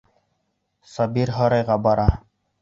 Сабир һарайға бара.